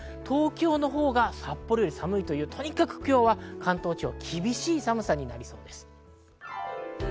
東京のほうが札幌より寒いというとにかく今日は関東地方、厳しい寒さになりそうです。